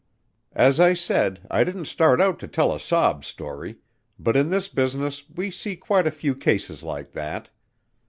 As I said I didn't start out to tell a sob story, but in this business we see quite a few cases like that.